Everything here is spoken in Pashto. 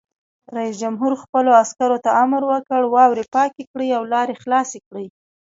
رئیس جمهور خپلو عسکرو ته امر وکړ؛ واورې پاکې کړئ او لارې خلاصې کړئ!